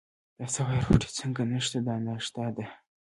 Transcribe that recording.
دا څه وایې، روټۍ څنګه نشته، دا ناشتا ده.